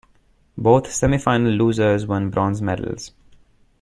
Both semifinal losers won bronze medals.